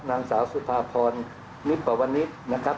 นางสาวสุภาพรลิปปวนิษฐ์นะครับ